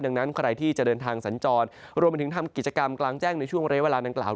ดังนั้นใครที่จะเดินทางสัญจรรวมไปถึงทำกิจกรรมกลางแจ้งในช่วงเรียกเวลานางกล่าว